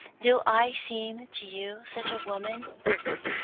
Do I seem to you such a woman?"